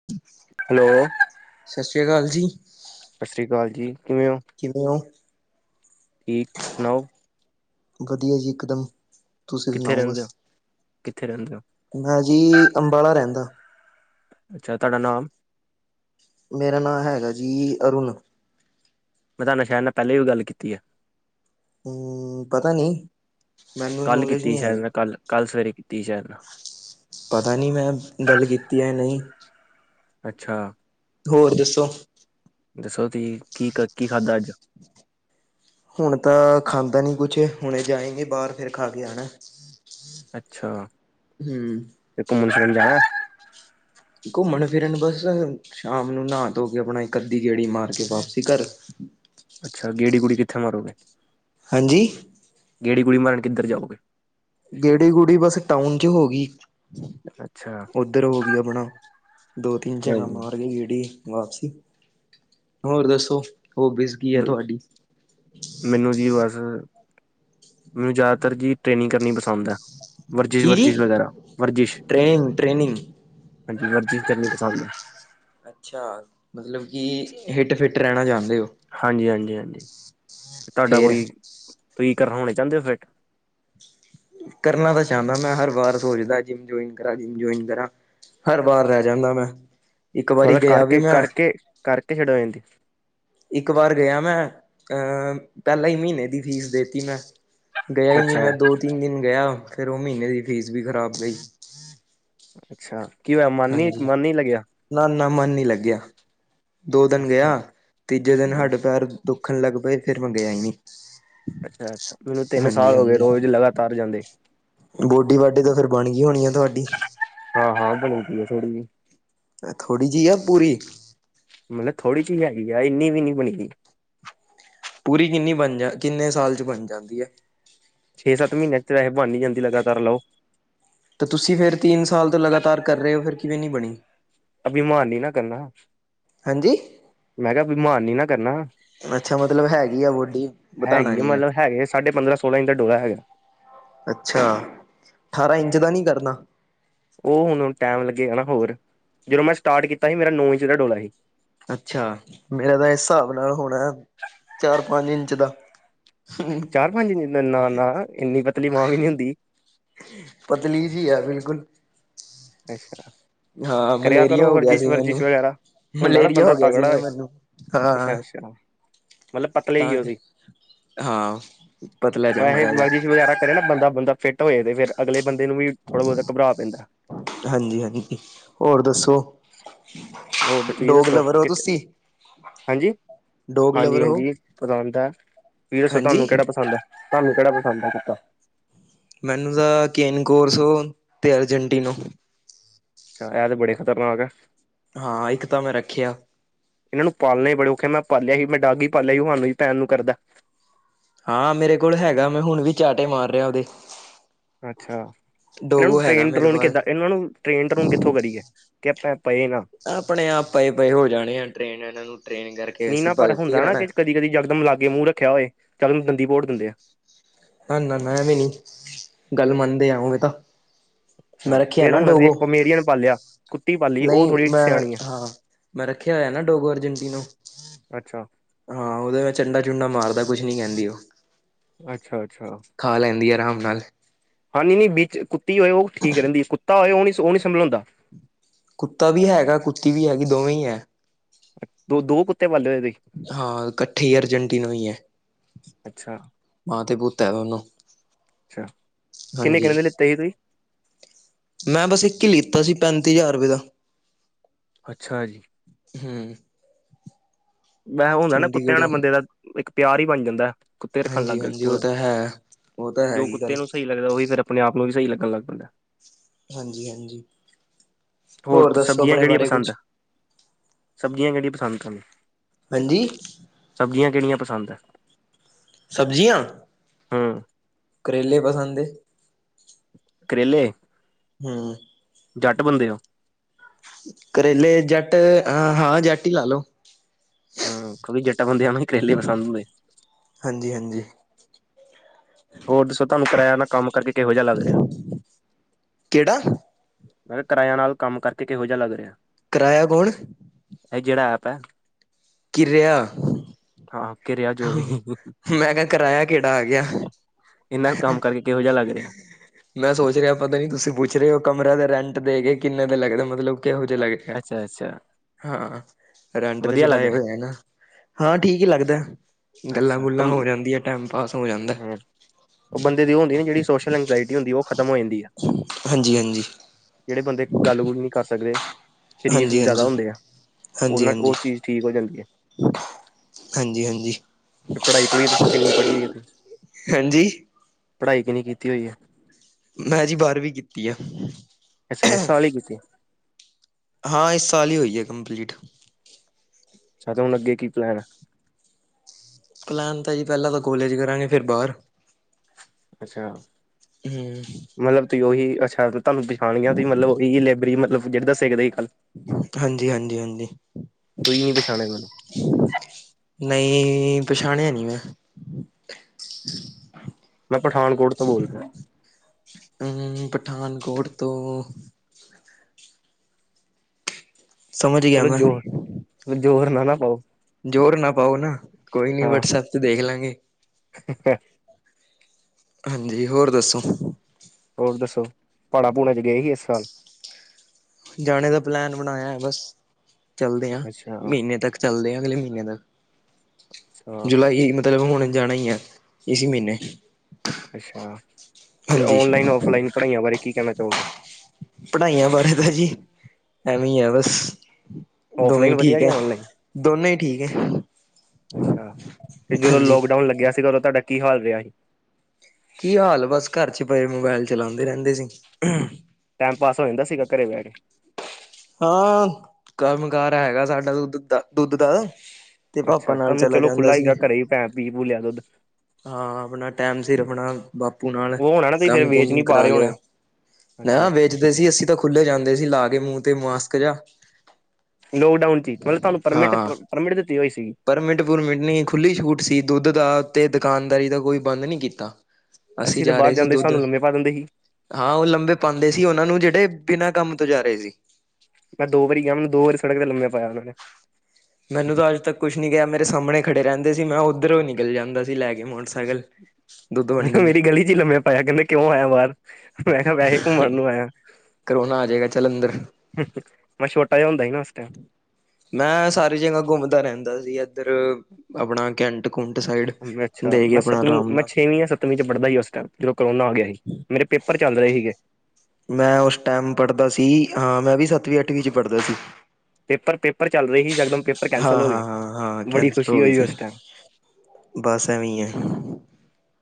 [unintelligible] Hello ਸਤਿ ਸ਼੍ਰੀ ਅਕਾਲ ਜੀ ਸਤਿ ਸ੍ਰੀ ਅਕਾਲ ਜੀ ਕਿਵੇਂ ਹੋ ਕਿਵੇਂ ਹੋ ਠੀਕ ਸੁਣਾਓ? ਵਧੀਆ ਜੀ ਇਕਦਮ ਤੁਸੀਂ ਕਿੱਥੇ ਸੁਣਾਓ ਰਹਿੰਦੇ ਬਸ? ਹੋ ਕਿੱਥੇ ਰਹਿੰਦੇ ਹੋ ਮੈਂ ਜੀ, ਅੰਬਾਲਾ ਰਹਿੰਦਾ। ਅੱਛਾ ਤੁਹਾਡਾ ਨਾਮ? ਮੇਰਾ ਨਾਂ ਹੈਗਾ ਜੀ ਅਰੁਣ। ਮੈਂ ਤੁਹਾਨੂੰ ਸ਼ਹਿਲ ਨਾਲ ਪਹਿਲੇ ਵੀ ਗੱਲ ਕੀਤੀ ਹੈ ਹਮ ਪਤਾ ਨਹੀਂ ਮੈਨੂੰ ਕੱਲ ਨੌਲੇਜ ਕੀਤੀ ਸੇਅਰ ਹੈਗੀ ਮੈਂ ਕੱਲ, ਕੱਲ ਸਵੇਰੇ ਕੀਤੀ ਸੇਅਰ ਮੈਂ ਪਤਾ ਨਹੀਂ ਮੈਂ ਗੱਲ ਕੀਤੀ ਹੈ ਨਹੀਂ ਅੱਛਾ ਹੋਰ ਦੱਸੋ ਦੱਸੋ ਤੁਸੀਂ ਕੀ ਕੀ ਖਾਧਾ ਅੱਜ ਹੁਣ ਤਾਂ ਖਾਂਦਾ ਨੀ ਕੁਛ ਹੁਣੇ ਜਾਏਗੇ ਬਾਹਰ ਫਿਰ ਖਾ ਕੇ ਆਣਾ ਅੱਛਾ ਹਮ ਤੇ ਘੁੰਮਣ ਫਿਰਨ ਜਾਣਾ ਘੁੰਮਣ ਫਿਰਨ ਬਸ ਸ਼ਾਮ ਨੂੰ ਨਹਾ ਧੋ ਕੇ ਆਪਣਾ ਇੱਕ ਅੱਧੀ ਗੇੜੀ ਮਾਰ ਕੇ ਵਾਪਸੀ ਘਰ ਅੱਛਾ ਗੇੜੀ ਗੂੜੀ ਕਿੱਥੇ ਮਾਰੋਗੇ? ਹਾਂਜੀ। ਗੇੜੀ ਗੁੜੀ ਮਾਰਨ ਕਿੱਧਰ ਜਾਓਗੇ? ਗੇੜੀ ਗੂੜੀ ਬਸ ਟਾਊਨ ਚ ਹੋ ਗਈ। ਅੱਛਾ ਉੱਧਰ ਹੋ ਗਈ ਆਪਣਾ ਦੋ ਤਿੰਨ ਜਗਾ ਮਾਰ ਗਈ ਗੇੜੀ ਵਾਪਸੀ। ਹੋਰ ਦੱਸੋ ਹੋਬਿਜ਼ ਕੀ ਹੈ ਤੁਹਾਡੀ? ਮੈਨੂੰ ਜੀ ਬਸ। ਮੈਨੂੰ ਜ਼ਿਆਦਾਤਰ ਜੀ ਟ੍ਰੇਨਿੰਗ ਕਰਨੀ ਪਸੰਦ ਹੈ। ਵਰਜਿਸ਼ ਕੀ ਜੀ ਵਰਜਿਸ਼ ਵਗੈਰਾ ਵਰਜਿਸ਼ ਟ੍ਰੇਨਿੰਗ ਟ੍ਰੇਨਿੰਗ ਹਾਂਜੀ ਵਰਜਿਸ਼ ਕਰਨੀ ਪਸੰਦ। ਅੱਛਾ, ਮਤਲਬ ਕਿ ਹਿੱਟ ਫਿੱਟ ਰਹਿਣਾ ਚਾਹੁੰਦੇ ਹੋ। ਹਾਂਜੀ, ਹਾਂਜੀ, ਹਾਂਜੀ ਤੁਹਾਡਾ ਫੇਰ ਕੋਈ ਤੁਸੀਂ ਹੋਣਾ ਚਾਹੁੰਦੇ ਹੋ ਫਿਟ? ਕਰਨਾ ਤਾਂ ਚਾਹੁੰਦਾ ਮੈਂ, ਹਰ ਵਾਰ ਸੋਚਦਾ ਜਿੰਮ ਜੋਇਨ ਕਰਾਂ ਜਿੰਮ ਜਇਨ ਕਰਾਂ। ਹਰ ਵਾਰ ਰਹਿ ਜਾਂਦਾ ਮੈਂ ਇੱਕ ਕੋਲ ਵਾਰੀ ਗਿਆ ਵੀ ਕਰਕੇ ਮੈਂ। ਕਰਕੇ ਕਰਕੇ ਛਡ ਹੋ ਜਾਂਦਾ। ਇੱਕ ਵਾਰ ਗਿਆ ਮੈਂ ਪਹਿਲਾਂ ਹੀ ਮਹੀਨੇ ਦੀ ਫੀਸ ਦੇ ਦਿੱਤੀ ਮੈਂ। ਗਿਆ ਹੀ ਨਹੀਂ ਅੱਛਾ ਮੈਂ ਦੋ ਤਿੰਨ ਦਿਨ ਗਿਆ ਫੇਰ ਉਹ ਮਹੀਨੇ ਦੀ ਫੀਸ ਵੀ ਖ਼ਰਾਬ ਗਈ। ਅੱਛਾ ਕੀ ਹੋਇਆ ਮਨ ਨੀ ਹਾਂਜੀ ਮਨ ਨੀ ਲੱਗਿਆ ਨਾ ਨਾ ਮਨ ਨੀ ਲੱਗਿਆ। ਦੋ ਦਿਨ ਗਿਆ ਅੱਛਾ ਤੀਜੇ ਦਿਨ ਹੂੰ ਹੱਡ ਪੈਰ ਦੁੱਖਣ ਲੱਗ ਪਏ ਫਿਰ ਮੈਂ ਗਿਆ ਈ ਨਹੀਂ। ਅੱਛਾ, ਅੱਛਾ ਮੈਨੂੰ ਤਿੰਨ ਸਾਲ ਹੋ ਗਏ ਹਾਂਜੀ ਰੋਜ਼ ਲਗਾਤਾਰ ਜਾਂਦੇ। ਬੋਡੀ ਬਾਡੀ ਤਾਂ ਫਿਰ ਬਣ ਗਈ ਹੋਣੀ ਆ ਤੁਹਾਡੀ? ਹਾਂ ਹਾਂ ਬਣੀ ਦੀ ਹੈ ਥੋੜ੍ਹੀ ਜਿਹੀ। ਇਹ ਥੋੜ੍ਹੀ ਜਿਹੀ ਆ ਪੂਰੀ? ਮਤਲਬ ਥੋੜ੍ਹੀ ਜਿਹੀ ਹੈਗੀ ਆ ਇੰਨੀ ਵੀ ਨੀ ਬਣੀ। ਪੂਰੀ ਕਿੰਨੀ ਬਣ ਜਾ ਕਿੰਨੇ ਸਾਲ ਚ ਬਣ ਜਾਂਦੀ ਹੈ? ਛੇ ਸੱਤ ਮਹੀਨਿਆਂ ਚ ਤਾਂ ਬਣ ਹੀ ਜਾਂਦੀ ਲਗਾਤਾਰ ਲਓ। ਤਾਂ ਤੁਸੀਂ ਫਿਰ ਤਿੰਨ ਸਾਲ ਤੋਂ ਲਗਾਤਾਰ ਕਰ ਰਹੇ ਹੋ ਫਿਰ ਕਿਵੇਂ ਨਹੀਂ ਬਣੀ? ਅਭਿਮਾਨੀ ਨਾ ਕਰਨਾ। ਹਾਂਜੀ? ਮੈਂ ਕਿਹਾ, ਅਭਿਮਾਨੀ ਨਾ ਕਰਨਾ। ਅੱਛਾ ਮਤਲਬ ਹੈਗੀ ਆ ਬੋਡੀ ਬਤਾਣਾ ਹੈਗੀ ਆ ਨੀ ਮਤਲਬ ਹੈਗੇ ਸਾਢੇ ਪੰਦਰਾਂ ਸੋਲਾਂ ਇੰਚ ਦਾ ਡੋਰਾ ਹੈਗਾ। ਅੱਛਾ ਅਠਾਰਾਂ ਇੰਚ ਦਾ ਨਹੀਂ ਕਰਨਾ? ਉਹ ਹੁਣ ਟਾਈਮ ਲੱਗੇਗਾ ਨਾ ਹੋਰ, ਜਦੋਂ ਮੈਂ ਸਟਾਰਟ ਕੀਤਾ ਸੀ ਮੇਰਾ ਨੌ ਇੰਚ ਦਾ ਡੋਲਾ ਸੀ। ਅੱਛਾ ਮੇਰਾ ਤਾਂ ਇਸ ਹਿਸਾਬ ਨਾਲ ਹੋਣਾ ਚਾਰ ਪੰਜ ਇੰਚ ਦਾ। ਚਾਰ ਪੰਜ ਨਾ ਨਾ ਇੰਨੀ ਪਤਲੀ ਬਾਂਹ ਵੀ ਨੀ ਹੁੰਦੀ। ਪਤਲੀ ਜੀ ਆ ਬਿਲਕੁਲ। ਅੱਛਾ ਹਾਂ ਕਰਿਆ ਮਲੇਰੀਆ ਕਰੋ ਹੋ ਗਿਆ ਵਰਜਿਸ਼ ਸੀ ਵਰਜਿਸ਼ ਮੈਨੂੰ ਵਗੈਰਾ ਹੁੰਦਾ ਨਾ ਮਲੇਰੀਆ ਬੰਦਾ ਹੋ ਗਿਆ ਸੀ ਤਗੜਾ ਨਾ ਹੋਏ ਮੈਨੂੰ। ਹਾਂ। ਅੱਛਾ ਅੱਛਾ ਮਤਲਬ ਪਤਲੇ ਤਾਂ ਕਰ ਉਹਦੀ ਹਾਂ ਪਤਲਾ ਜਾ ਵੈਹੇ ਮਾੜਾ ਜਾ। ਵਰਜਿਸ਼ ਵਗੈਰਾ ਕਰੇ ਨਾ ਬੰਦਾ ਬੁੰਦਾ ਫਿੱਟ ਹੋਏ ਤੇ ਫੇਰ ਅਗਲੇ ਬੰਦੇ ਨੂੰ ਵੀ ਥੋੜਾ ਬਹੁਤਾ ਘਬਰਾ ਪੈਂਦਾ ਹਾਂਜੀ, ਹਾਂਜੀ ਹੋਰ ਦੱਸੋ? ਹੋਰ ਤੁਸੀਂ ਡੋਗ ਦੱਸੋ ਲਵਰ ਹੋ ਕਿੱਥੇ ਤੁਸੀਂ? ਹਾਂਜੀ, ਡੋਗ ਹਾਂਜੀ, ਲਵਰ ਹੋ? ਹਾਂਜੀ ਪਸੰਦ ਹੈ ਤੁਸੀ ਦੱਸੋ ਤੁਹਾਨੂੰ ਹਾਂਜੀ ਕਿਹੜਾ ਪਸੰਦ ਹੈ? ਤੁਹਾਨੂੰ ਕਿਹੜਾ ਪਸੰਦ ਹੈ ਕੁੱਤਾ? ਮੈਨੂੰ ਤਾਂ ਕੇਨ ਕੋੋਰਸੋ ਤੇ ਅਰਜਨਟੀਨੋ। ਅੱਛਾ ਇਹ ਤੇ ਬੜੀ ਖਤਰਨਾਕ ਹੈ। ਹਾਂ, ਇੱਕ ਤਾਂ ਮੈਂ ਰੱਖਿਆ। ਇਹਨਾਂ ਨੂੰ ਪਾਲਣੇ ਬੜੇ ਔਖੇ ਮੈਂ ਪਾਲਿਆ ਸੀ ਮੈਂ ਡਾਗੀ ਪਾਲਿਆ ਸੀ ਉਹ ਸਾਨੂੰ ਹੀ ਪੈਣ ਨੂੰ ਕਰਦਾ। ਹਾਂ, ਮੇਰੇ ਕੋਲ ਹੈਗਾ ਮੈਂ ਹੁਣ ਵੀ ਚਾਟੇ ਮਾਰ ਰਿਹਾ ਉਹਦੇ। ਅੱਛਾ, ਇਹਨਾਂ ਡੋਗੋ ਨੂੰ ਹੈਗਾ ਟ੍ਰੇਨਡ ਮੇਰੇ ਟਰੋਨਡ ਕਿੱਦਾਂ ਪਾਸ। ਇਹਨਾਂ ਨੂੰ ਟ੍ਰੇਨਡ ਟਰੋਨਡ ਕਿੱਥੋਂ ਕਰੀਏ? ਕਿ ਭੈ ਪਏ ਨਾ ਆਪਣੇ ਆਪ ਪਏ ਪਏ ਹੋ ਜਾਣੇ ਆ ਟ੍ਰੇਨ ਇਹਨਾਂ ਨੂੰ ਟ੍ਰੇਨ ਕਰਕੇ ਨੀ ਅਸੀਂ ਨਾ ਪਰ ਭਗਤੀ ਹੁੰਦਾ ਨਾ ਕਰਾਣਾ। ਕਿ ਕਦੀ ਕਦੀ ਯਕਦਮ ਲਾਗੇ ਮੂੰਹ ਰੱਖਿਆ ਹੋਏ ਜਕਦਮ ਦੰਦੀ ਪੋਟ ਦਿੰਦੇ ਆ ਨਾ ਨਾ ਏਂਵੇ ਨੀ ਗੱਲ ਮੰਨਦੇ ਆ ਉਵੇ ਤਾਂ ਮੈਂ ਅੱਛਾ ਰੱਖਿਆ ਫੇਰ ਨਾ ਹੁਣ ਅਸੀਂ ਇੱਕ ਡੋਗੋ। ਪਮੇਰੀਅਨ ਪਾਲਿਆ ਕੁੱਤੀ ਪਾਲੀ ਉਹ ਨਹੀਂ ਥੋੜ੍ਹੀ ਮੈਂ ਸਿਆਣੀ ਐ। ਹਾਂ ਮੈਂ ਰੱਖਿਆ ਹੋਇਆ ਨਾ ਡੋਗੋ ਅਰਜਨਟੀਨੋ ਅੱਛਾ, ਹਾਂ ਉਹਦੇ ਮੈਂ ਚੰਡਾ ਚੁੰਡਾ ਮਾਰਦਾ ਕੁਛ ਨੀ ਕਹਿੰਦੀ ਉਹ ਅੱਛਾ ਅੱਛਾ ਖਾ ਲੈਂਦੀ ਹੈ ਆਰਾਮ ਨਾਲ ਹਾਂਜੀ ਨਹੀਂ ਵਿੱਚ ਕੁੱਤੀ ਹੋਏ ਉਹ ਠੀਕ ਰਹਿੰਦੀ ਹੈ ਕੁੱਤਾ ਹੋਏ ਉਹ ਨਹੀਂ ਉਹ ਨਹੀਂ ਸੰਭਲਾਉਦਾ ਕੁੱਤਾ ਵੀ ਹੈਗਾ ਕੁੱਤੀ ਵੀ ਹੈਗੀ ਦੋਵੇਂ ਹੀ ਹੈ ਦੋ ਦੋ ਕੁੱਤੇ ਬਾਲੇ ਹੋਏ ਸੀ ਹਾਂ ਇਕੱਠੇ ਹੀ ਅਰਜਨਟੀਨਾ ਹੀ ਹੈ ਅੱਛਾ-ਅੱਛਾ। ਮਾਂ ਤੇ ਪੁੂੱਤ ਹੈ ਦੋਨੋ ਅੱਛ ਕਿੰਨੇ ਹਾਂਜੀ ਕਿੰਨੇ ਦੇ ਲਿੱਤੇ ਸੀ ਤੁਸੀਂ ਮੈਂ ਬਸ ਇੱਕ ਹੀ ਲਿੱਤਾ ਸੀ ਪੈਂਤੀ ਹਜ਼ਾਰ ਰੁਪਏ ਦਾ ਅੱਛਾ ਜੀ ਹਮ ਮੈਸ ਹੁੰਦਾ ਨਾ ਕੁੱਤਿਆਂ ਨਾਲ ਚੰਡੀਗੜ੍ਹੋਂ ਬੰਦੇ ਦਾ ਇੱਕ ਪਿਆਰ ਹੀ ਬਣ ਜਾਂਦਾ ਕੁੱਤੇ ਰੱਖਣ ਲੱਗ ਹਾਂਜੀ ਹਾਂਜੀ ਉਹ ਗਏਕੁਲ ਤਾਂ ਹੈ ਉਹ ਤਾਂ ਜੋ ਹੈਗੀ ਕੁੱਤੇ ਗੱਲ ਨੂੰ ਸਹੀ ਫੇਰ ਉਹੀ ਫੇਰ ਆਪ ਨੂੰ ਵੀ ਸਹੀ ਲੱਗਣ ਲੱਗ ਪੈਂਦਾ ਹਾਂਜੀ ਹਾਂਜੀ ਹੋਰ ਦੱਸੋ ਸਬਜ਼ੀਆਂ ਆਪਣੇ ਕਿਹੜੀਆਂ ਬਾਰੇ ਪਸੰਦ ਕੁਛ ਆ? ਸਬਜ਼ੀਆਂ ਕਿਹੜਿਆਂ ਪਸੰਦ ਤੁਹਾਨੂੰ ਹਾਂਜੀ ਸਬਜ਼ੀਆਂ ਕਿਹੜੀਆਂ ਪਸੰਦ ਹੈ ਸਬਜ਼ੀਆਂ ਹਮ ਕਰੇਲੇ ਪਸੰਦ ਏ ਕਰੇਲੇ ਹਮ ਜੱਟ ਬੰਦੇ ਹੋ ਕਰੇਲੇ ਜੱਟ ਹਾਂ ਜੱਟ ਹੀ ਲਾ ਲੋੋ ਹਮ ਕਈ ਜੱਟਾ ਬੰਦਿਆਂ ਨੂੰ ਵੀ ਕਰੇਲੇ ਪਸੰਦ ਹੁੰਦੇ ਹਾਂਜੀ ਹਾਂਜੀ ਹਾਂ ਹੋਰ ਦੱਸੋ ਤੁਹਾਨੂੰ ਕਿਰਾਇਆ ਦਾ ਕੰਮ ਕਰਕੇ ਕਿਹੋ ਜਿਹਾ ਲੱਗ ਰਿਹਾ? ਕਿਹੜਾ ਮੈਂ ਕਿਹਾ ਕਿਰਾਇਆ ਨਾਲ ਕੰਮ ਕਰਕੇ ਕਿਹੋ ਜਿਹਾ ਲੱਗ ਰਿਹਾ ਕਿਰਾਇਆ ਕੌਣ? ਇਹ ਜਿਹੜਾ ਐਪ ਹੈ। ਕਿਰਿਆ। ਹਾਂ, ਕਿਰਿਆ ਜੋ ਵੀ ਮੈਂ ਕਿਹਾ ਕਰਾਇਆ ਕਿਹੜਾ ਆ ਗਿਆ। ਇਹੰਨਾ ਕੰਮ ਕਰਕੇ ਕਿਹੋ ਜੇਹਾ ਲੱਗ ਰਿਹਾ ਮੈਂ ਸੋਚ ਰਿਹਾ ਪਤਾ ਨੀ ਤੁਸੀਂ ਪੁੱਛ ਰਹੇ ਹੋ ਕਮਰਾ ਦੇ ਰੈਂਟ ਦੇ ਕੇ ਕਿੰਨੇ ਦੇ ਲੱਗਦੇ ਮਤਲਬ ਕਿਹੋ ਜਿਹੇ ਲੱਗ ਆ ਅੱਛਾ-ਅੱਛਾ ਹਾਂ ਰੈੰਟ ਤੇ ਵਧੀਆ ਲੱਗ ਚੜਾਏ ਰਿਹਾ ਹੋਏ ਆ ਨਾ ਹਾਂ ਠੀਕ ਹੀ ਲੱਗਦੈ ਗੱਲਾਂ ਅੱਛਾ ਗੁੱਲਾਂ ਕੰਮ ਹੋ ਜਾਂਦੀਐ ਟੈਮ ਪਾਸ ਹੋ ਜਾਂਦਾ ਹੂੰ ਉਹ ਬੰਦੇ ਦੀ ਉਹ ਹੁਦੀ ਨਾ ਜਿਹੜੀ ਸੋਸ਼ਲ ਇਗਜ਼ਾਇਟੀ ਹੁੰਦੀ ਉਹ ਖਤਮ ਹੋ ਜਾਂਦੀ ਆ ਹਾਂਜੀ ਹਾਂਜੀ ਜਿਹੜੇ ਬੰਦੇ ਗੱਲ ਗੁੱਲ ਨਹੀਂ ਕਰ ਸਕਦੇ ਸ਼ਰੀਫ ਹਾਂਜੀ ਹਾਂਜੀ ਜ਼ਿਆਦਾ ਹਾਂਜੀ ਹੁੰਦੇ ਆ ਉਹਨਾਂ ਹਾਂਜੀ ਉਹ ਚੀਜ਼ ਠੀਕ ਹੋ ਜਾਂਦੀ ਹੈ ਹਾਂਜੀ ਹਾਂਜੀ ਪੜ੍ਹਾਈ ਪੁੜ੍ਹੀ ਦੱਸੋ ਕਿੰਨੀ ਪੜ੍ਹੀ ਹੋਈ ਐ ਹਾਂਜੀ ਪੜ੍ਹਾਈ ਕਿੰਨੀ ਕੀਤੀ ਹੋਈ ਹੈ ਮੈਂ ਜੀ ਬਾਰਵੀਂ ਕੀਤੀ ਆ। ਐ ਛੇ ਸਾਲ ਹੀ ਕੀਤੇ। ਹਾਂ, ਇਸ ਸਾਲ ਹੀ ਹੋਈ ਹੈ ਕੰਪਲੀਟ। ਅਹੁ ਅੱਗੇ ਕੀ ਪਲੈ ਹੈ। ਪਲੈਣ ਤਾਂ ਜੀ, ਪਹਿਲਾਂ ਤਾਂ ਕੋਲੇਜ ਕਰਾਂਗੇ। ਫਿਰ ਬਾਹਰ। ਅੱਛਾ। ਹੂੰ ਮਤਲਬ ਉਹੀ ਅੱਛਾ। ਤੁਹਾਨੂੰ ਦਿਖਾਣੀਆਂ ਵੀ ਮਤਲਬਹੀ ਲੇਬਰੀ ਮਤਲਬ ਜਿਹੜੇ ਦੱਸੇ ਕਰਦੇ ਸੀ ਕੱਲ। ਹਾਂਜੀ ਹਾਂਜੀ ਹਾਂਜੀ ਤੁੂੰਂ ਨ ਪਸ਼ਾਣਾਣੇ ਗਾ। ਨਹੀਂ, ਪਛਾਣਿਆ ਨਹੀਂ ਮੈਂ। ਮੈਂ ਪਠਾਨਕੋਟ ਤੋਂ ਬੋਲ ਰਿਹਾ। ਅਮ, ਪਠਾਨਕੋਟ ਤੋਂ। ਸਮਝ ਗਿਆ ਚਲੋ, ਮੈਂ ਜ਼ਰ, ਚਲੋ ਜ਼ੋਰ ਨਾ ਨਾ ਪਾਓ। ਜ਼ੋਰ ਨਾ ਪਾਓ ਨਾ। ਕੋਈ ਨੀ ਵਟਸਐਪ ਤੇ ਦੇਖ ਲਾਂਗੇ। ਹ ਹਾਂਜੀ। ਹੋਰ ਦੱਸੋ? ਹੋਰ ਦੱਸੋ। ਪਹਾੜਾਂ- ਭੂਹਾੜਾ ਚ' ਗਏ ਸੀ ਇਸ ਸਾਲ। ਜਾਣੇ ਦਾ ਪਲੈਨ ਬਣਾਇਆ ਹੈ ਬਸ, ਚੱਲਦੇ ਹਾਂ ਅੱਛਾ ਮਹੀਨੇ ਤੱਕ। ਚੱਲਦੇ ਆ ਅਗਲੇ ਮਹੀਨੇ ਤੱਕ। ਅੱਛਾ ਜੁਲਾਈ ਮਤਲਬ ਹੁਣ ਜਾਣਾ ਹੀ ਆ। ਇਸ ਮਹੀਨੇ। ਅੱਛਾ। ਤੇ ਹਾਂਜੀ ਔਨਲਾਈਨ, ਔਫਲਾਈਨ ਪੜ੍ਹਾਈਆਂ ਬਾਰੇ ਕੀ ਕਹਿਣਾ ਚਾਹੋਗੇ। ਪੜ੍ਹਾਈਆਂ ਬਾਰੇ ਤਾਂ ਜੀ, ਐਵੇਂ ਹੈ ਬਸ, ਔਫਲਾਈਨ ਦੋਵੇਂ ਵਧੀਆ ਠੀਕ ਹੈ। ਕਿ ਔਨਲਾਈਨ ਦੋਨੋ ਹੀ ਠੀਕ ਹੈ। ਅੱਛਾ। ਤੇ ਜਦੋਂ ਹਾਂਜੀ ਲੋਕਡਾਊਨ ਲੱਗਿਆ ਸੀਗਾ ਉਦੋਂ ਤੁਹਾਡਾ ਕੀ ਹਾਲ ਰਿਹਾ ਸੀ। ਕੀ ਹਾਲ ਬਸ, ਘਰ ਚ' ਪਏ ਮੋਬਾਇਲ ਚਲਾਉਂਦੇ ਰਹਿੰਦੇ ਸੀ। ਟਾਈਮ ਪਾਸ ਹੋ ਜਾਂਦਾ ਸੀਗਾ ਘਰੇ ਬਹਿ ਕੇ। ਹਾਂ। ਕੰਮ ਕਾਰ ਹੈਗਾ ਸਾਡਾ ਦ- ਦ ਦਾ ਦੁੱਧ ਦਾ। ਤੇ ਪਾਪਾ ਅੱਛਾ। ਨਾਲ ਤੁਹਾਨੂੰ ਚਲਾ ਚਲੋ ਜਾਂਦਾ ਖੁੱਲ੍ਹਲਾ ਸੀ। ਸੀਗਾ ਘਰੇ ਪੈ ਪੀ- ਪੂ ਲਿਆ ਦੁੱਧ। ਹਾਂ। ਆਪਣਾ ਟੈਮ ਸਿਰ ਆਪਣਾ, ਬਾਪੂ ਨਾਲ, ਉਹ ਹੋਣਾ ਨਾ ਤੁਸੀਂ ਫਿਰ ਕੰਮ- ਵੇਚ ਨੀ ਕੁਮ ਪਾ ਕਰਾ ਰਹੇ ਹੋਣੇ ਲਿਆ। ਹੋ। ਨਾ ਅੱਛਾ ਵੇਚਦੇ ਸੀ ਅਸੀਂ ਤਾਂ ਖੁੱਲ੍ਹੇ ਜਾਂਦੇ ਸੀ ਲਾ ਕੇ ਮੂੰਹ ਤੇ ਮਾਸਕ ਜਾ। ਲੋਕਡਾਊਨ ਚ' ਮਤਲਬ ਤੁਹਾਨੂੰ ਪਰਮਿਟ- ਪਰਮਿਟ ਦਿੱਤੀ ਹੋਈ ਸੀਗੀ। ਪਰਮਿੰਟ ਪਰਮਿੰਟ ਨ ਖੁੱਲੀ ਛੂਟ ਸੀ ਦੁੱਧ ਦਾ ਤੇ ਦੁਕਾਨਦਾਰੀ ਦਾ ਕੋਈ ਬੰਦ ਨਹੀਂ ਕੀਤਾ। ਅਸੀਂ ਤੇ ਜਾ ਬਾਹਰ ਰਹੇ ਸੀ ਜਾਂਦੇ ਦੁੱਧ ਸਾਨੂੰ ਲੰਮੇ ਪਾ ਦਿੰਦੇ ਸੀ ਹਾਂ, ਉਹ ਲੰਬੇ ਪਾਉਂਦੇ ਸੀ ਉਹਨਾਂ ਨੂੰ ਜਿਹੜੇ, ਬਿਨਾਂ ਕੰਮ ਤੋਂ ਜਾ ਰਹੇ ਸੀ। ਮੈਂ ਦੋ ਵਾਰੀ ਗਿਆ ਮੈਨੂੰ ਦੋ ਵਾਰੀ ਸੜਕ ਤੇ ਲੰਮਿਆ ਪਾਇਆ ਉਹਨਾਂ ਨੇ। ਮੈਨੂੰ ਤਾਂ ਅੱਜ ਤੱਕ ਕੁਛ ਨੀ ਕਿਹਾ ਮੇਰੇ ਸਾਹਮਣੇ ਖੜੇ ਰਹਿੰਦੇ ਸੀ ਮੈਂ ਉੱਧਰੋਂ ਨਿਕਲ ਜਾਂਦਾ ਸੀ ਲੈ ਕੇ ਮੋਟਰਸਾਈਕਲ। ਦੁੱਧ ਮੈਨੂੰ ਵੰਡਣ ਮੇਰੀ ਗਲੀ ਚ' ਹੀ ਲੰਮੇ ਪਾਇਆ। ਕਹਿੰਦੇ ਕਿਉਂ ਆਇਆ ਬਾਹਰ। ਮੈਂ ਕਿਹਾ, ਵੈਸੇ ਘੁੰਮਣ ਨੂੰ ਆਇਆ। ਕਰੋਨਾ ਆ ਜਾਏਗਾ ਚੱਲ ਅੰਦਰ ਮੈਂ ਛੋਟਾ ਜਿਆ ਹੁੰਦਾ ਸੀ ਨਾ ਉਸ ਟਾਈਮ। ਮੈਂ ਸਾਰੀ ਜਗਾਂ ਘੁੰਮਦਾ ਰਹਿੰਦਾ ਸੀਗਾ। ਇਧਰ ਅਪਣਾ ਕੈਂਟ-ਕੁੰਟ ਸਾਈਡ ਦੇ ਗਏ ਅਪਣਾ ਆਰਾਮ ਨਾਲ ਸਤਵੀ ਚ' ਪੜ੍ਹਦਾ ਸੀ ਉਸ ਟਾਈਮ ਜਦੋਂ ਕਰੋਨਾ ਆ ਗਿਆ ਸੀ। ਮੇਰੇ ਪੇਪਰ ਚੱਲ ਰਹੇ ਸੀਗੇ। ਮੈਂ ਉਸ ਟਾਈਮ ਪੜ੍ਹਦਾ ਸੀ। ਹਾਂ ਮੈਂ ਵੀ ਸੱਤਵੀਂ -ਅੱਠਵੀਂ ਚ' ਪੜ੍ਹਦਾ ਸੀ। ਪੇਪਰ- ਪੇਪਰ ਚੱਲ ਰਹੇ ਸੀ ਇਕਦਮ ਪੇਪਰ ਹਾਂ ਕੈਂਸਲ ਹੋ ਹਾਂ ਗਏ। ਹਾਂ ਹਾਂ ਬੜੀ ਕੈਂਸਲ ਖੁਸ਼ੀ ਹੋ ਗਈ ਹੋਈ ਸੀ ਉਸ ਟਾਈਮ। ਬਸ ਐਵੇਂ ਹੈ।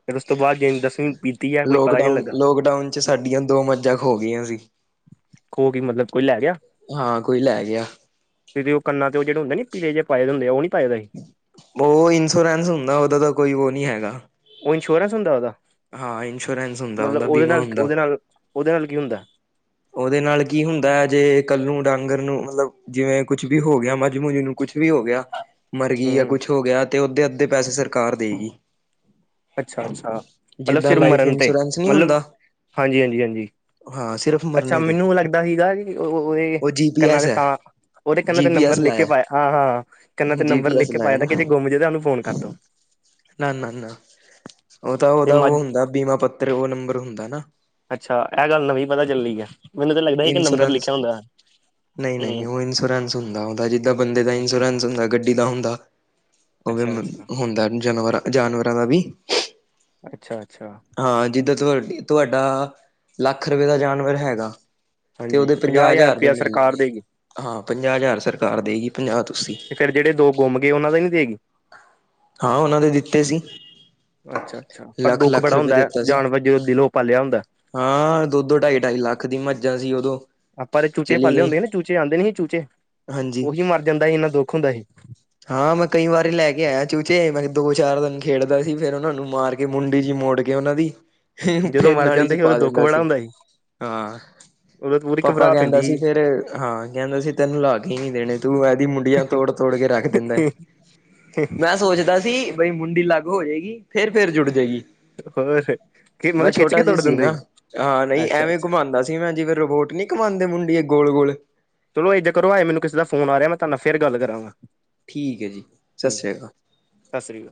ਫਿਰ ਉਸ ਤੋਂ ਬਾਅਦ ਜੇ ਦਸਵੀਂ ਬੀਤੀ ਹੈ ਕੋਈ ਪਤਾ ਨਹੀਂ ਲੋਕਡਾਊਨ, ਲੱਗਾ ਲੋਕਡਾਊਨ ਚ' ਸਾਡੀਆਂ ਦੋ ਮੱਝਾਂ ਖੋ ਗਈਆਂ ਸੀ। ਖੋ ਕੇ ਮਤਲਬ ਕੋਈ ਲੈ ਗਿਆ। ਹਾਂ, ਕੋਈ ਲੈ ਗਿਆ। ਤੇ ਉਹ ਕੰਨ ਤੇ ਜਿਹੜਾੁੰਦਾ ਪੀਲੇ ਜੇ ਪ ਪਾਏ ਹੁੰਦੇ ਉਹ ਨੀ ਪਾਏ ਸੀ। ਉਹ ਇੰਸ਼ੋਰੈਂਸ ਹੁੰਦਾ। ਉਹਦਾ ਤਾਂ ਕੋਈ ਉਹ ਨਹੀਂ ਹੈਗਾ। ਉਹ ਇੰਸ਼ੋਰੈਂਸ ਹੁੰਦਾ ਉਹਦਾ। ਹਾਂ ਇੰਸ਼ੋਰੈਂਸ ਹੁੰਦਾ ਮਤਲਬ ਉਹਦਾ ਉਹਦੇ ਬੀਮਾ ਨਾਲ ਹੁੰਦਾ। ਉਹਦੇ ਨਾਲ ਉਹਦੇ ਨਾਲ ਕੀ ਹੁੰਦਾ। ਉਹਦੇ ਨਾਲ ਕੀ ਹੁੰਦਾ ਐ ਜੇ ਕੱਲ ਨੂੰ ਡਾਂਗਰ ਨੂੰ ਮਤਲਬ ਜਿਵੇਂ ਕੁਛ ਵੀ ਹੋ ਗਿਆ ਮਝ-ਮੁਝ ਨੂੰ ਕੁਛ ਵੀ ਹੋ ਗਿਆ। ਮਰ ਗਈ ਤਾਂ ਹੂੰ ਕੁਛ ਹੋ ਗਿਆ ਤੇ ਓਧੇ ਅੱਧੇ ਪੈਸੇ ਸਰਕਾਰ ਦੇਗੀ। ਅੱਛਾ-ਅੱਛਾ ਮਤਲਬ ਜਿੱਦਾਂ ਸਿਰ ਲਾਈਫ ਮਰਨ ਤੇ ਇੰਸ਼ੋਰੈਂਸ ਨਹੀਂ ਮਤਲਬ ਹੁੰਦਾ ਹਾਂਜੀ, ਹਾਂਜੀ, ਹਾਂਜੀ। ਹਾਂ ਸਿਰਫ ਅੱਛਾ ਮਰਨੇ ਤੇ ਮੈਨੂੰ ਲੱਗਦਾ ਸੀਗਾ ਕਿ ਉਹ ਉਹਦੇ ਉਹ ਜੀ ਪੀ ਕੰਨਾਂ ਐਸ ਤੇ ਹੈ ਤਾਂ ਉਹਦੇ ਕੰਨਾਂ ਤੇ ਜੀ ਪੀ ਨੰਬਰ ਐਸ ਲਿਖ ਕੇ ਲਾਇਆ ਪਾਏ ਹਾਂ-ਹਾਂ ਕੰਨਾ ਤੇ ਜੀ ਨੰਬਰ ਪੀ ਲਿਖ ਐਸ ਕੇ ਲਾਇਆ ਪਾਇਦਾ ਨਾ ਕਿ ਜੇ ਗੁੰਮ ਜੇ ਤਾਂ ਉਹਨੂੰ ਫੋਨ ਕਰ ਦੋ। ਨਾ, ਨਾ, ਨਾ ਉਹ ਤਾਂ ਤੇ ਉਹਦਾ ਮੱਝ ਉਹ ਹੁੰਦਾ ਬੀਮਾ ਪੱਤਰ ਉਹ ਨੰਬਰ ਹੁੰਦਾ ਨਾ। ਅੱਛਾ, ਇਹ ਗੱਲ ਨਵੀਂ ਪਤਾ ਚੱਲੀ ਐ, ਮੈਨੂੰ ਤਾਂ ਲੱਗਦਾ ਇੱਕ ਨੰਬਰ ਲਿਖਿਆ ਹੁੰਦਾ ਐ। ਨਈ ਨਈ ਉਹ ਇੰਸ਼ੋਰੈਂਸ ਹੁੰਦਾ ਉਹਦਾ ਜਿੱਦਾਂ ਬੰਦੇ ਦਾ ਅੱਛਾ-ਅੱਛਾ ਇੰਸ਼ੋਰੈਂਸ ਹੁੰਦਾ ਗੱਡੀ ਦਾ ਹੁੰਦਾ, ਉਹ ਵੀ ਅੱਛਾ-ਅੱਛਾ ਹੁੰਦਾ ਜਾਨਵਰਾ, ਜਾਨਵਰਾਂ ਦਾ ਵੀ ਅੱਛਾ, ਅੱਛਾ। ਹਾਂ ਜਿੱਦਾਂ ਤੁਆਡੀ ਤੁਆਡਾ ਲੱਖ ਰੁਪਏ ਦਾ ਜਾਨਵਰ ਹੈਗਾ। ਤੇ ਹਾਂਜੀ ਉਹਦੇ ਪੰਜਾਹ ਹਜ਼ਾਰ ਰੁਪਏ ਰੁਪਇਆ ਸਰਕਾਰ ਮਿਲੇਂਗੇ ਦੇਗੀ ਹਾਂ ਪੰਜਾਹ ਹਜ਼ਾਰ ਸਰਕਾਰ ਦੇਗੀ ਪੰਜਾਹ ਤੁਸੀਂ। ਫੇਰ ਜਿਹੜੇ ਦੋ ਗੁੰਮ ਗਏ ਉਹਨਾਂ ਦਾ ਨੀ ਦੇਗੀ। ਹਾਂ ਉਹਨਾਂ ਦੇ ਦਿੱਤੇ ਸੀ। ਅੱਛਾ-ਅੱਛਾ, ਪਰ ਲੱਖ ਦੁੱਖ ਲੱਖ ਬੜਾ ਰੁਪਏ ਹੁੰਦਾ ਐ, ਦਿੱਤਾ ਸੀ ਜਾਨਵਰ ਜਦੋਂ ਦਿਲੋਂ ਪਾ ਲਿਆ ਹੁੰਦਾ। ਹਾਂ, ਦੋ-ਦੋ, ਢਾਈ-ਢਾਈ ਲੱਖ ਦੀ ਮੱਝ ਅਸੀ ਉਦੋਂ ਆਪਾਂ ਤੇ ਚੂਚੇ ਚਲੀ ਪਾਲੇ ਗਈ ਹੁੰਦੇ ਨੇ ਨਾ ਚੂਚੇ ਆਂਦੇ ਨੀ ਸੀ ਚੂਚੇ। ਹਾਂਜੀ। ਉਹੀ ਮਰ ਜਾਂਦਾ ਹੀ ਇੰਨਾ ਦੁੱਖ ਹੁੰਦਾ ਹੀ। ਹਾਂ ਮੈਂ ਕਈ ਵਾਰੀ ਲੈ ਕੇ ਆਇਆ ਚੂਚੇ ਮੈਂ ਦੋ ਚਾਰ ਦਿਨ ਖੇਡਦਾ ਸੀ ਫੇਰ ਉਹਨਾਂ ਨੂੰ ਮਾਰ ਕੇ ਮੁੰਡੀ ਜੀ ਮੋੜ ਕੇ ਉਹਨਾਂ ਦੀ ਜਦੋਂ ਫੇਰ ਮਰ ਨਾਲੀ ਚ ਜਾਂਦੇ ਸੀ ਉਦੋਂ ਪਾ ਦਿੰਦਾ ਸੀ, ਹਾਂ। ਉਹਦ ਪੂਰੇ [unintelligible] ਪਾਪਾ ਕਹਿੰਦਾ ਸੀ ਫੇਰ ਹਾਂ ਕਹਿੰਦਾ ਸੀ ਤੈਨੂੰ ਲਾ ਕੇ ਨੀ ਦੇਣੇ ਤੂੰ ਇਹਦੀ ਮੁੰਡੀਆਂ ਤੋੜ-ਤੋੜ ਕੇ ਰੱਖ ਦਿੰਦਾ। ਹਮ ਹਮ [unintelligible] ਮੈਂ ਸੋਚਦਾ ਸੀ ਬਈ ਮੁੰਡੀ ਲੱਗ ਹੋ ਜੇਗੀ ਫੇਰ-ਫੇਰ ਜੁੜ ਜੇਗੀ। ਹੋਰ ਫੇਰ, ਕਿ ਮਤਲਬ ਖਿੱਚ ਕੇ ਤੋੜ ਸੀ ਦਿੰਦੇ ਨਾ। ਹੀ। ਹਾਂ ਨਈ ਐਵੇਂ ਘੁਮਾਂਦਾ ਸੀ ਮੈਂ, ਜਿਵੇ ਰੋਬੋਟ ਨਈ ਘੁਮਾਂਦੇ ਮੁੰਡੀ ਗੋਲ-ਗੋਲ। ਚਲੋ ਇੱਦਾਂ ਕਰੋ ਹਏ ਮੈਨੂੰ ਕਿਸੇ ਦਾ ਫੋਨ ਆ ਰਿਆ, ਮੈਂ ਤੁਆਡੇ ਨਾਲ ਫੇਰ ਗੱਲ ਕਰਾਂਗਾ। ਠੀਕ ਏ ਜੀ ਸਸ ਸ੍ਰੀ ਅਕਾਲ। ਸਸਰੀ ਕਾਲ।